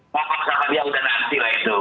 ngomong sama dia udah nanti lah itu